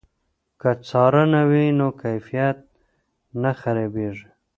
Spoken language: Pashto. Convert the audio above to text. که څارنه وي نو کیفیت نه خرابېږي.